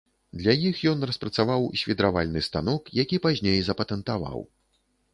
Для іх ён распрацаваў свідравальны станок, які пазней запатэнтаваў.